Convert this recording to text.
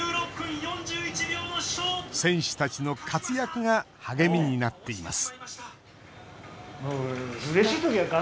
選手たちの活躍が励みになっています